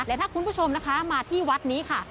และถ้าคุณผู้ชมนะคะมาที่วัดนี้ค่ะ